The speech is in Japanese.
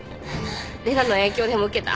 玲奈の影響でも受けた？